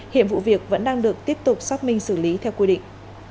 hiện vụ việc vẫn đang được tiếp tục xác minh xử lý theo quy định